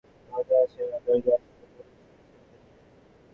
যখন তোমার স্বামী আমার দরজায় আসলো পুলিশকে সাথে নিয়ে।